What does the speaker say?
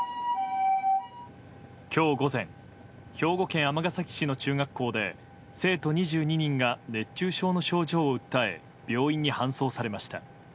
今日午前兵庫県尼崎市の中学校で生徒２２人が熱中症の症状を訴え病院に搬送されました。